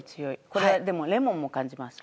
これでもレモンも感じます。